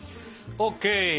ＯＫ！